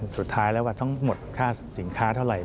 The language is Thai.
สุดท้ายแล้วทั้งหมดค่าสินค้าเท่าไหร่